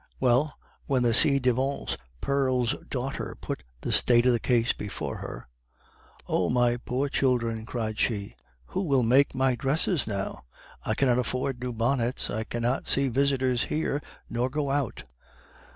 "Well, when the ci devant pearl's daughter put the state of the case before her, 'Oh my poor children,' cried she, 'who will make my dresses now? I cannot afford new bonnets; I cannot see visitors here nor go out.